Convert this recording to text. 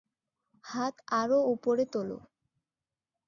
হাত আরও উপরে তোলো!